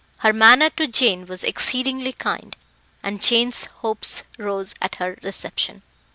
Her manner to Jane was exceedingly kind, and Jane's hopes rose at her reception.